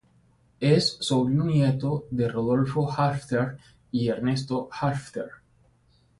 Es sobrino-nieto de Rodolfo Halffter y Ernesto Halffter.